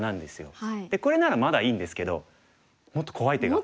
これならまだいいんですけどもっと怖い手が。